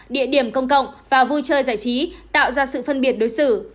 địa điểm công cộng và vui chơi giải trí tạo ra sự phân biệt đối xử